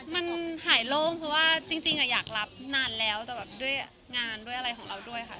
มันหายโล่งเพราะว่าจริงอยากรับนานแล้วแต่แบบด้วยงานด้วยอะไรของเราด้วยค่ะ